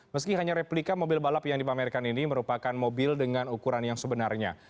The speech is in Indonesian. meski hanya replika mobil balap yang dipamerkan ini merupakan mobil dengan ukuran yang sebenarnya